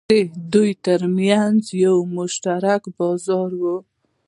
د دوی ترمنځ یو مشترک بازار و.